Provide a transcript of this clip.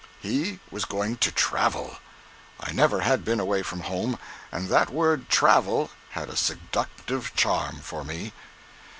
He was going to travel! I never had been away from home, and that word "travel" had a seductive charm for me.